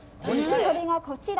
それがこちら。